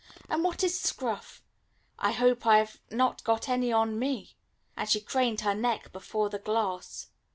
And what is scruff? I hope I have not got any on me." And she craned her neck before the glass.